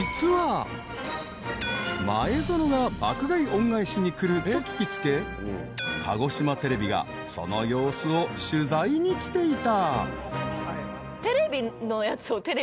［前園が爆食い恩返しに来ると聞き付け鹿児島テレビがその様子を取材に来ていた］